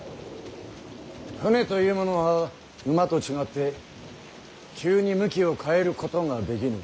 舟というものは馬と違って急に向きを変えることができぬ。